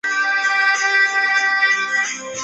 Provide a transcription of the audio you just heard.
黑皮柳为杨柳科柳属下的一个种。